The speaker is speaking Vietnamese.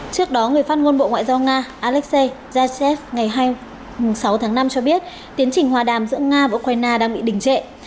trước đó người phát ngôn bộ ngoại giao nga alexei jacép ngày sáu tháng năm cho biết tiến trình hòa đàm giữa nga và ukraine đang bị đình trệ